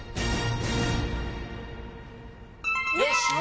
よし。